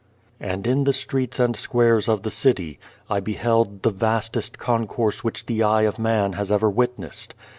And in the streets and squares of the city, I beheld the vastest concourse which the eye of man has ever witnessed.